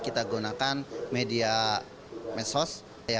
kita gunakan media mensos